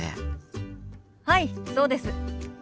はいそうです。